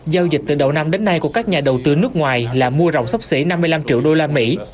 giao dịch từ đầu năm đến nay của các nhà đầu tư nước ngoài là mua rộng sắp xỉ năm mươi năm triệu đô la mỹ